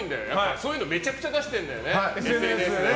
そういうのめちゃくちゃ出してるんだよね、ＳＮＳ。